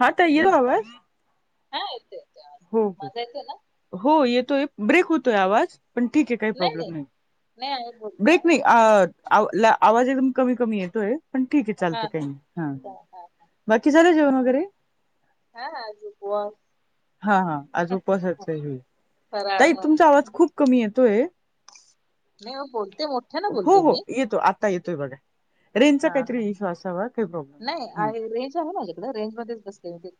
हा, ताई येतो आवाज? हा, येतोय आवाज हम्म, माझा येतोय ना हं, हो येतोय, ब्रेक होतोय आवाज पण ठीक आहे, काही प्रॉब्लेम नाही, नाही आहे बोल वेट आहे वी आ मी आव ला, आवाज एकदम कमी - कमी येतोय पण ठीक आहे, हा चालते हा काही नाही हा, बाकी झालं जेवण हा वगैरे? हा, आज उपवास हा- हा आज उपवास, [unintelligible] फराळ ताई हा तुमचा आवाज खूप कमी येतोय? [unintelligible] हो -हो मी येतो, आता येतोय बघा रेंजचा हा, काहीतरी इश्यू असावा काही प्रॉब्लेम नाही आहे, हा रेंज आहे, माझ्याकडे रेंज मध्येच बसले मी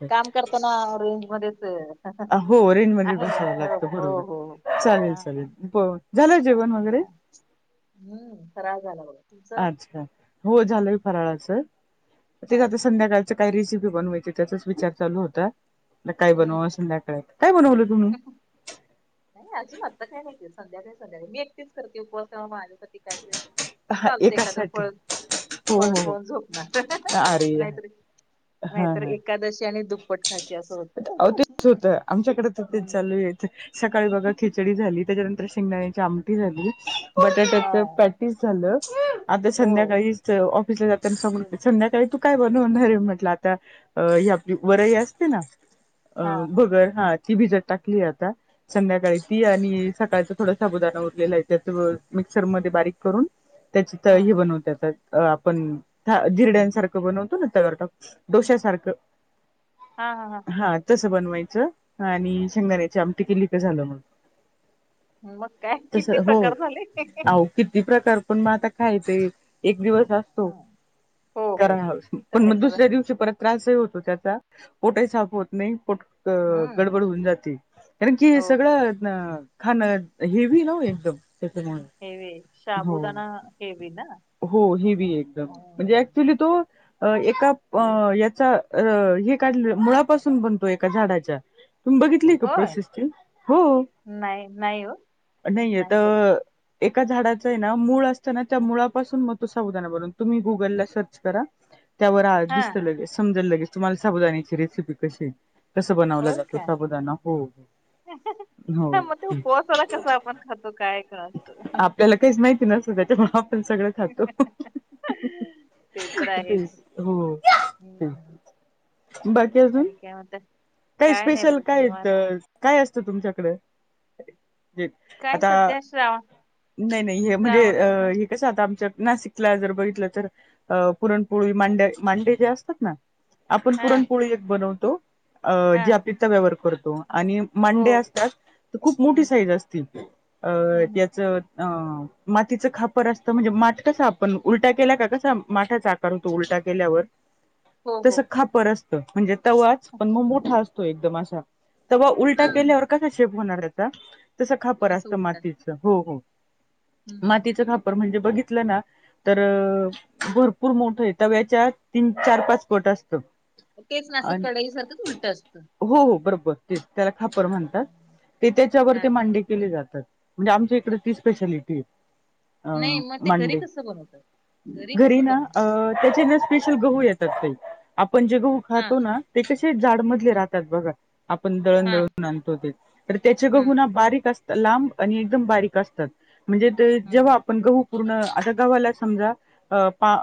[unintelligible] [inaudible] ते, ना रेंज मध्येच है ह, ह, ह, ह, हो रेंज मध्ये आहे ना, बसावं हो -हो -हो- हो, हा -हा हो झालं जेवण चालतय, वगैरे चालतय, हम्म फराळ झाला बघा तुमचं अच्छा, हो झालंय फराळाचं, हा तेच आता संध्याकाळ त काय रेसिपी बनवायची त्याचाच विचार चालू होता, काय हम्म बनवाव संध्याकाळी, काय बनवलं तु? नाही अजून, आता काय नाही ते, संध्याकाळी - संध्याकाळी, मी एकटीच करते उपवास तवा माझ्यासाठी काय तरी हा चालते एकात्र एकासाठी फळ हो फळ हो हो खाऊन झोपणार, ह्... अरे नाहीतरी.. हा नाहीतर हा एकादशी आणि दुप्पट खाशी असं अहो होत... तेच होतं आमच्याकडे तर तेच हृ... चालू आहे सकाळी बघा खिचडी झाली, त्याच्यानंतर शेंगदाण्याची आमटी झाली, हा बटाट्याच पेट टीस झालं, आता ओ संध्याकाळी ऑफिसला जातना सांगून.. संध्याकाळी तू काय बनवणारे म्हटलं आता ही आपली वरई असते ना, अ.. हा भगर हा ती भिजत टाकलीय आता संध्याकाळी ती आणि सकाळच थोडा साबुदाणा उरलेला आहे त्याच अ.. मिक्सरमध्ये बारीक करून त्याचीत ह हे बनवतात अ.. आता आपण धिरड्यांसारखं बनवतो ना तव्यावर टाकून. डोश्याासारखं हा.. हा.. हा.. हा तसं बनवायचं आणि शेंगदाण्याचे आमट केली की झालं मग. मग काय.. तस किती हो प्रकार झाले. अहो किती प्रकार.. पण मग आता खायचे एक दिवस असं तो, हम्म. हो हो करा हो हाऊस.. ते तर पण मग ह्याच दुसऱ्या दिवशी परत त्रासही होतो त्याचा, पोटही साफ होत नाही, पोट हम्म गडबड होऊन जाते, कारण जी हो हो सगळं ह... खाण हेवी आहे ना एकदम त्याच्यामुळे, हेवे हो.. शाबुदाना हेवी ना हो, हेवी एकदम.. म्हणजे हम्म. अ‍ॅक्चुली तो, अ.. एका अ.. याचा अ... हे कढल, मूळा पासून बनतो एका झाडाच्या तुम्ही बघितलं काय? बघितली का होय प्रोसेस ती? हो.. नाही नाही हो नई नाही आता बोलली एका झाडाच येणा ना मूळ असतना, त्या मुळा पासून मग तो साबुदाणा बनतो तुम्ही गूगल ला सर्च करा त्या वर हा दिसत लगेच समजल लगेच. तुम्हाला साबुदाणा ची रेसिपी कशी, कसं बनवला जातं साबुदाणा हो ह्... हो मग तो हो. उपवासाला कसा आपण खातो काय काळत. आपल्याला काहीच माहिती नसतं त्याच्यामुळ ह्.. आपण सगळं खातो, ते तर ह्... ह्.. आहेच हो ते. हम्म बाकी अजून? क्या म्हणताय. काय स्पेशल.. काय असतं, काय असतं तुमच्याकडे काय आता, सध्या श्रावण नई.. नई हे म्हणजे श्रावण अ.. हा हे कस आता आमच्या नाशिकला जर बघितलं तर अ.. पुरणपोळी मांड्ये.. मांडे जे असतात ना आपण हा पुरणपोळी एक बनवतो अ.. हा जे आपलीचा तव्यावर करतो आणि हो मांडे असतात तर खूप मोठी हम्म साईज असते अ.. हम्म ज्याचं अ.. मातीचं खापर असतं म्हणजे माठ कसा आपण उलटा केला का कसा माठाचा तो उलटा केल्यावर, हो हो तस खापर असतं म्हणजे तवाच पण मग मोठा असतो एकदम असा, तवा उलटा हम्म हम्म केल्यावर कसा शेप होणार त्याचा तसं खापर असं असतं उलट मातीचं, हो... हो.. हम्म हम्म. मातीचं खापर म्हणजे बघितलं ना. त.. र. अ... भरपूर मोठं आहे तव्याच्या तीन.. चार.. पाच पट असतं. तेच ना अस आणि कडई सारखंच उलट असतं. हो.. बरोबर तेच, त्याला हा खापर म्हणतात ते त्याच्यावर हा ते हा मांडी केले जातात, म्हणजे आमच्या इकडे ती स्पेशालिटी आहे. अ.. नाही मग ते घरी मांडे.. कसं बनवतात घरी कसं ना अ... बनवतात त्याचे ना स्पेशल गहू येतात ते, आपण जे गहू हा खातो ना ते कसे जाडमधले राहतात बघा. आपण दळण हा दळून आणतो ते तर त्याचे गहू हम्म ना हा बारीक असं लांब आणि एकदम बारीक असतात. म्हणजे ते हम्म जेव्हा आपण गहू पूर्ण आता गव्हाला समजा अ पा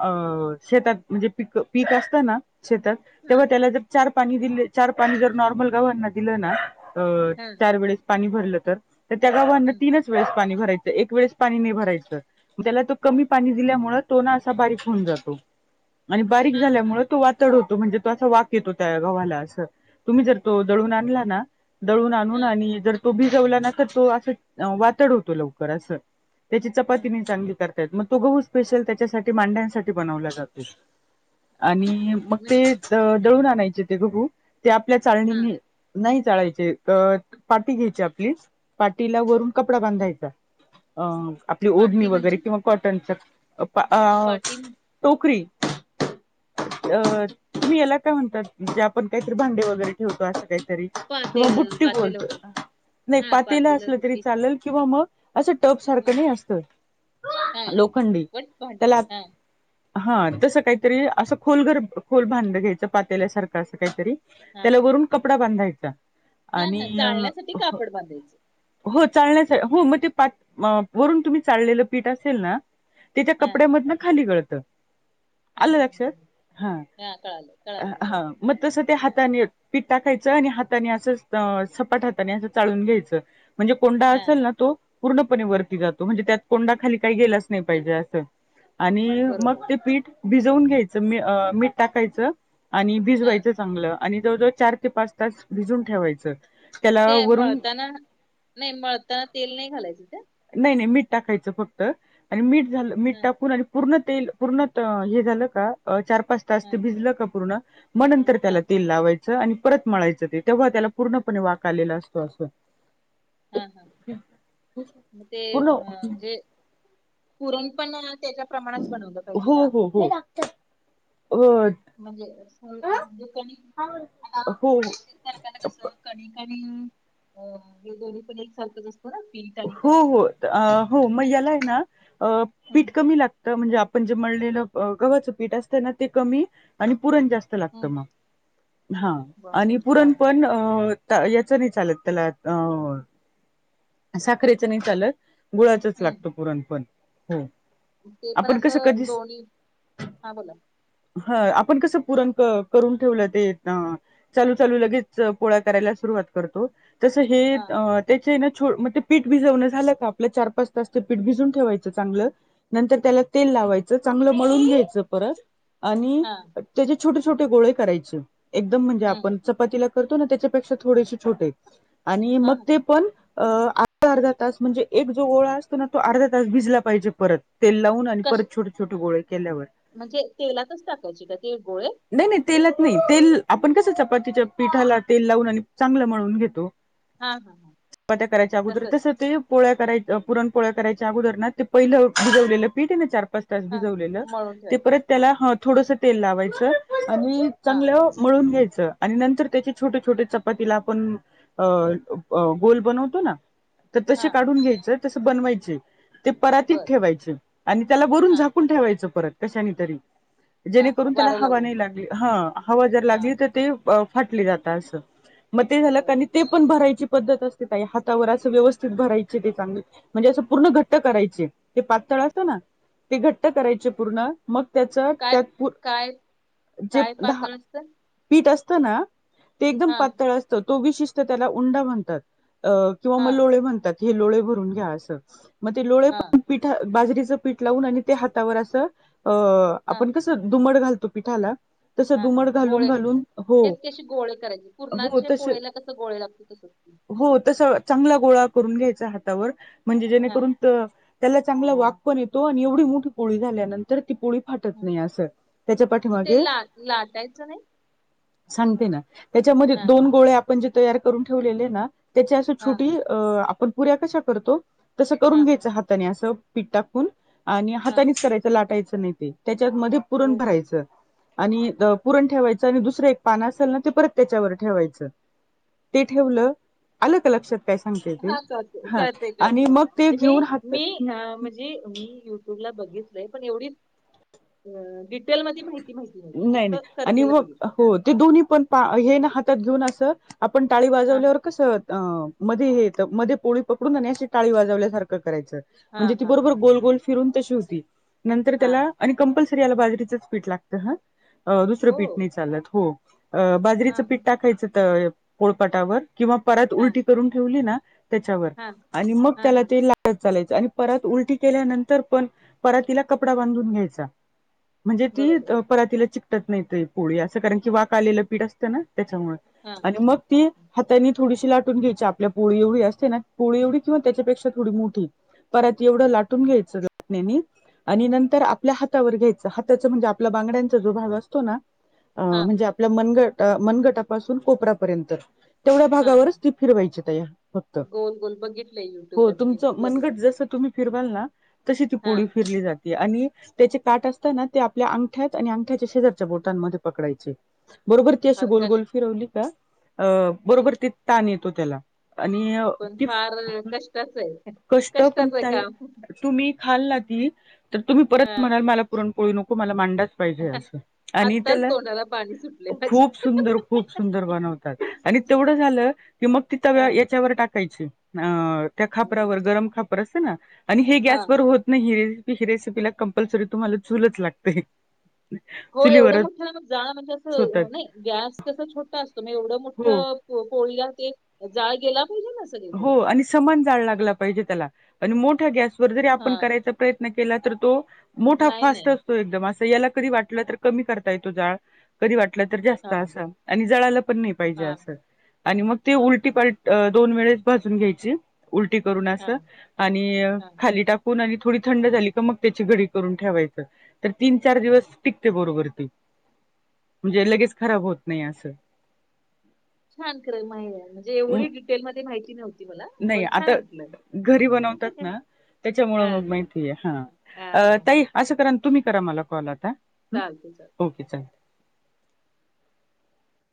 शेतात म्हणजे प पीक असतं ना शेतात. तेव्हा हम्म त्याला जर चार पाणी दिले चार पाणी जर नऑर्मल गव्हांना दीलं ना. अ हम्म चार वेळेस पाणी भरलं तर तर त्या गव्हाना हम्म तीनच वेळेस पाणी भरायचं एक वेळेस पाणी नाही भरायचं. त्याला तो कमी पाणी दिल्यामुळे तो ना असा बारीक होऊन जातो. आणि बारीक हम्म हम्म झाल्यामुळे तो वाातड होतो म्हणजे तो असं वा वास येतो त्या गव्हाला असं तुम्ही जर तो दळून आणला ना दळून आणून हम्म भिजवला ना तर तो असं वातड होतो. असं त्याची चपाती म हम्म चांगली नाही कर मग तो गहू स्पेशल त्याच्यासाठी मांड्यांसाठी बनवला जातो. आणि मग हम्म हम्म ते दळून आणायचे ते गहू ते आपल्या हा चाळणीने नाही चाळायचे पाटी घ्यायची आपली पाटीला वरून कपडा बांधायचा. अ आपली ओढणी पाटी वगैरे म्हणजे किंवा कॉटनचा पाटी म्हण- टोकरी अ तुम्ही याला काय? म्हणतात म्हे आपण काहीतरी भांडे वगैरे ठेवतो असं काहीतरी. किंवा पातेलं बुट्टी पातेलं बोलतो वगैरे नाही हा पातेला पातेलं असलं तरी बुट्टी चालेल किंवा मग. असं टप सारखं हम्म नाही असतं हा हा लोखंडी पण भांड त्याला हा हा तसं काहीतरी असं खोल घर खोल भांड घ्यायचं पात्याल्यासारखं असं काहीतरी. हा त्याला हा वरून कपडा बांधायचा हा आणि हा चाळण्यासाठी कापड बांधायचं हो चाळण्यासाठी हो मग ते वरून तुम्ही चाळलेलं पीठ असेल ना. ते त्या हा कपड्यामधून खाली गळतं. हम्म हम् ह ह कळालं. अ कळालं हा म तसं ते हा हातानी य- पीठ टाकायचं आणि हाताने असं सपाट हाताने असं चाळून घ्यायचं. म्हणजे कोंडा हा असेल ना तो पूर्णपणे वरती जातो. म्हणजे त्यात कोंडा खाली काही गेलाच नाही पाहिजे असं. आणि मग बरोबर ते पीठ भिजवून घ्यायचं मीठ टाकायचं आणि हा भिजवायचं. चांगलं आणि जवळजवळ चार ते पाच तास भिजून ठेवायचं. त्याला ते वरून मळताना नाही मळताना तेल नाही घालायचं त्यात. नाही, नाही, मीठ टाकायचं फक्त आणि मीठ हा टाकून झालं मीठ- पूर्ण तेल पूर्ण हे झालं का? चार, पाच, तास हा ते भिजलं का? पूर्ण मग नंतर हा त्याला तेल लावायचं आणि परत मळायचं ते तेव्हा त्याला पूर्णपणे वाक आलेला असतो असं. हा हा म ते पूर्ण अ जे पुरण पण त्याच्या प्रमाणेच बनवलं पाहिजे हो ना. हो. हो. [unintelligible] हो कणिक आणि अ हे दोही पण एकसारखंच असत. [unintelligible] हो हो हो मग याला आहे ना हम्म पीठ कमी लागत. तर म्हणजे आपण जे मळलेलं गव्हाचं पीठ असतं ना ते कमी आणि पुरण जास्त. लागतं हम्म मग हा आणि बापरे पुरण हा पण- अ याचं नाही चालत त्याला अ साखरेचं नाही चालत गुळाचंच हम्म लागतं पुरणपण हो. ते पण असं दोन्ही, हा बोला. हा आपण कसं पुरण क करून ठेवलं ते चालू चालू लगेच पोळ्या करायला सुरुवात करतो, तसं हे हा त्याचे हे ना छो ते पीठ भिजवणं झालं का आपलं चार पाच तास ते पीठ भिजून ठेवायचं चांगलं नंतर त्याला तेल लावायचं, चांगलं मळून घ्यायचं परत आणि हा त्याचे छोटे-, छोटे गोळे करायचे एकदम म्हणजे हम्म आपण च पतीला करतो ना त्याच्यापेक्षा थोडेसे छोटे, आणि हा मग ते पण अ अर्धा अर्धा तास म्हणजे एक जो गोळा असतो ना तो अर्धा तास भिजला पाहिजे परत, तेल लावून आणि कस परत छोटे छोटे गोळे केल्यावर. म्हणजे तेलातच टाकायचे का ते गोळे? नाही नाही तेलात नाही, तेल आपण कस चपातीच्या पिठाला तेल लावून, आणि चांगलं मळून घेतो हा हा हा चपात्या करायच्या अगोदर, तस ते पोळ्या करायच्या पुरण पोळ्या करायच्या अगोदर ना ते पहिलं भिजवलेलं पीठ ये ना चार पाच त्यात हा भिजवलेल, मळून ते ठेवायच परत त्याला मळून ह थोडस तेल लावायचं, आणि हा चांगल मळून घ्यायचं आणि नंतर त्याचे छोटे छोटे चपातीला आपण गोल बनवतो ना तर तसे हा काढून घ्यायचं, तसं बनवायचे ते परातीत बर ठेवायचे, आणि त्याला वरून हा झाकून ठेवायचं परत कशानी तरी हा हा जेणेकरून त्याला वारं हवा लागून नाही लागली हा हवा जर हा लागली तर ते फाटली जातात असं मग ते झालं का बर ते पण भरायची पद्धत असते ताई हातावर असं व्यवस्थित भरायचे ते चांगले म्हणजे असं पूर्ण घट्ट करायचे ते पातळ असतं ना ते घट्ट करायचे पूर्ण मग त्याच काय त्यात काय जे काय दहा पातळ असत पीठ असत ना ते एकदम हा पातळ तो विशिष्ट त्याला उंडा म्हणतात, किंवा म हा लोळे म्हणतात हे लोळे भरून घ्या असं, मग ते लोळे हा पीठ बाजरीच पीठ लावून आणि त्या हातावर असं हा आपण कसं दुमड घाल तो पिठाला तसं हां हां, दुमड घालून गोळे घालून हो तेच की अशे गोळे करायचे, हो पूर्णाच्या तस पोळीला कस गोळे लागतो तस हो तस चांगला गोळा करून घ्यायचा हातावर म्हणजे हा जेणेकरून तर त्याला चांगला वाक पण येतो, आणि एवढी मोठी पोळी झाल्यानंतर ती पोळी फाटत हा नाही असं. त्याच्या मग ते पाठीमागे ला लाटायचं नाही सांगते ना, त्याच्यामध्ये हा दोन गोळे आपण जे तयार करून ठेवलेले हे ना त्याची अशी हा छोटी आपण पुऱ्या कशा करतो तसं करून हा घ्यायचं हाताने असं पीठ टाकून आणि हा हातानेच करायचं लाटायचं नाही ते त्याच्यातमध्ये पुरण हो हो भराय आणि पुरण ठेवायचं, आणि दुसरं एक पान असेल ना ते परत त्याच्यावर ठेवायचं ते ठेवलं, आल का लक्षात? काय सांगते ते हा चालतंय हा कळतंय आणि कळतंय मग मला, ते म्हणजे मी घेऊन मी हातात अ म्हणजे मी युट्यूब ला बघितलंय, पण एवढी डिटेल मध्ये माहिती माहिती नव्हती, नाही फक्त नाही आणि करतेल मग बघितलंय ह. हो ते दोन्ही पण पा हे ना हातात घेऊन अस आपण टाळी हा वाजवल्यावर कसं मध्ये हे येत, मध्ये पोळी पकडून आणि अशी टाळी वाजवल्यासारखं करायचं हा म्हणजे ती हा हा बरोबर गोल गोल फिरून तशी होती, नंतर हा त्याला आणि कंपल्सरी याला बाजरीच पीठ लागत हा दुसरं हो पीठ नाही चालत, हो हा बाजरीचं हा पीठ टाकायचं त पोळपटावर, किंवा परात हा उलटी करून ठेवली ना त्याच्यावर, हा आणि मग हा त्याला हा ते ला चालायच आणि परात उलटी केल्यानंतर पण परातिला कपडा बांधून घ्यायचा. म्हणजे. ती बरोबर परातीला चिकटत नाही पोळी असं कारण की वाक आलेलं पीठ असतं ना त्याच्यामुळे. हा आणि मग हा ती हा थापून त्यां थोडीशी लाटून घ्यायची आपल्या पोळी एवढी असते ना पोळी एवढी किंवा त्याच्यापेक्षा थोडी मोठी. पराती एवढं लाटून घ्यायचं लाटण्यानी आणि नंतर आपल्या हातावर घ्यायचं हाता च आपल्या बांगड्यांचा जो भाग अं हा म्हणजे आपलं मनगट मनगटापासून कोपरापर्यंत. तेवढ्या हा. भागावरच ती फिरवायची ताई फक्त गोल गोल बघितलंय हो युट्यूबला मी तुमचं युट्यूबला मनगट बघितले जसं तुम्ही फिरवाल ना तशी ती हा पोडी फिरली जाते. आणि त्याचे काठ असताना. ते आपल्या अंगठ्यात आणि अंगठ्याच्या शेजारच्या बोटांमध्ये पकडायचे. बरोबर ती अशी फार कष्ट गोलगोल फिरवली का? अ पण बरोबर ती ताण येतो त्याला. आणि पण ति फार कष्टाच आहे कष्ट पण कष्टाच आहे ताई काम तुम्ही खाल् ना ती तर तुम्ही हा परत म्हणाल मला पुरणपोळी नको मला मांडा पाहिजे आणि आत्ताच तेला तोंडाला पाणी सुटले खूप माझ्या सुंदर! खूप सुंदर! बनवतात. आणि तेवढं झालं. कि मग तिथ हा याच्यावर टाकायची. अ त्या हम्म. खापरावर गरम खापर असतं ना आणि हे हा गॅसवर होत नाही हिरे रेसिपीला कम्पल्सरी तुम्हाला चूलच लागते. हो एवढं चुलीवरच मोठं ना मग जाळ म्हणजे असं होतात नाही गॅस तसं छोटा असतो म एवढं हो मोठं. पोळीला ते जाळ गेला पाहिजे न. हो आणि समान जाळ लागला पाहिजे. त्याला आणि मोठ्या गॅसवर जरी हा आपण करायचा प्रयत्न केला तर तो मोठा नाही नाही फास्ट असतो. एकम अस याला कधी वाट तर कमी करता येतो जाळ. कधी वाटलं तर जास्त हा असं आणि जळायला पण नाही पाहिजे हा हा असं आणि मग ते हा उलटी हा पालटी दोन वेळेस भाजून घ्यायची उलटी करून हा असं आणि हा खाली टा आणि थोडी थंड झाली क मग त्याची घरी करून ठेवायचं. तर तीन चार दिवस टिकते बरोबर ती. म्हणजे लगेच खराब होत नाही असं. छान खरं आहे म्हणजे अं, एवढी डिटेल मध्ये माहिती नव्हती. मला नाही पण आता छान वाटलं घरी बनवतात ना. त्याच्यामुळे हा मग माहितीय हा हा हा अं ताई हा असं कराना. तुम्ही करा मला कॉल आता चालते चालते ओके चालेल.